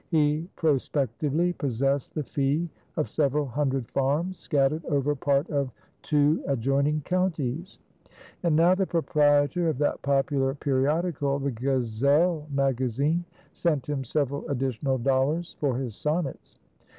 He prospectively possessed the fee of several hundred farms scattered over part of two adjoining counties; and now the proprietor of that popular periodical, the Gazelle Magazine, sent him several additional dollars for his sonnets.